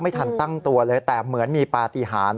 ไม่ทันตั้งตัวเลยแต่เหมือนมีปฏิหาร